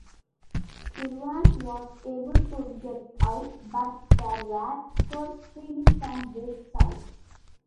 Irvan was able to get out, but there were hurt feelings on both sides.